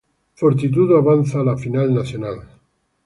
Fortitudo avanza a la Final Nacional.